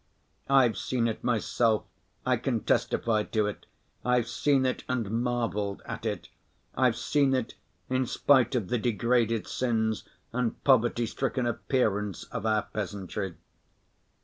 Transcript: I've seen it myself, I can testify to it, I've seen it and marveled at it, I've seen it in spite of the degraded sins and poverty‐stricken appearance of our peasantry.